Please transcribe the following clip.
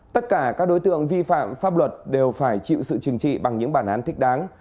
tất cả các đối tượng vi phạm pháp luật đều phải chịu sự chừng trị bằng những bản án thích đáng